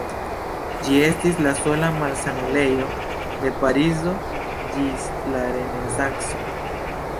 Ĝi estis la sola malsanulejo de Parizo ĝis la Renesanco.